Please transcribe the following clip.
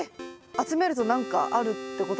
集めると何かあるってことですよね